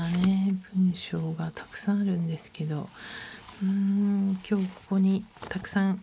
文章がたくさんあるんですけどうん今日ここにたくさん。